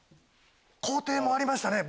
工程もありましたね